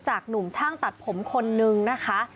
หนุ่มช่างตัดผมคนนึงนะคะ